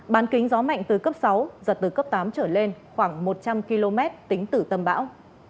bán kính gió mạnh từ cấp sáu giật từ cấp tám trở lên khoảng một trăm linh km tính từ tâm bão